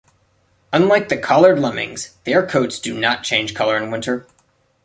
Unlike the collared lemmings, their coats do not change color in winter.